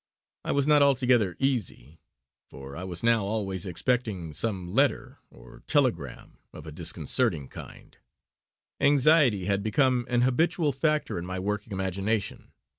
I was not altogether easy, for I was now always expecting some letter or telegram of a disconcerting kind; anxiety had become an habitual factor in my working imagination.